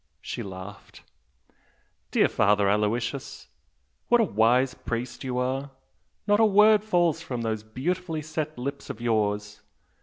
She laughed. "Dear Father Aloysius, what a wise priest you are! Not a word falls from those beautifully set lips of yours!